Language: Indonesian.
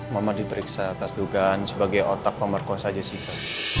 mama diperiksa atas dugaan sebagai otak pemerkosa jessica